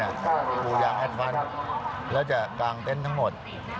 กูอยากแอดฟันแล้วจะกางเต้นทั้งหมด